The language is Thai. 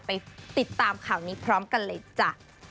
ไปติดตามข่าวนี้พร้อมกันเลยจ้ะ